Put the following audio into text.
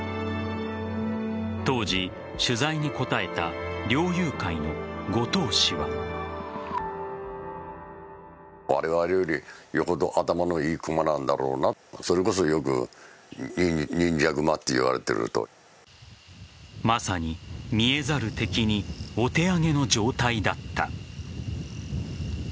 当時、取材に答えた猟友会の後藤氏は。まさに見えざる敵にお手上げの状態だった。